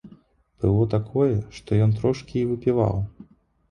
Было такое, што ён трошкі і выпіваў.